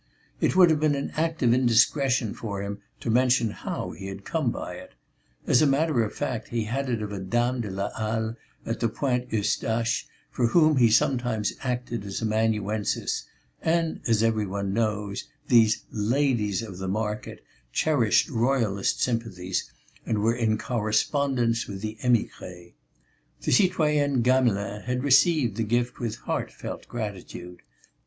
It would have been an act of indiscretion for him to mention how he had come by it; as a fact, he had it of a Dame de la Halle at the Pointe Eustache for whom he sometimes acted as amanuensis, and as everybody knows, these "Ladies of the Market" cherished Royalist sympathies and were in correspondence with the émigrés. The citoyenne Gamelin had received the gift with heartfelt gratitude.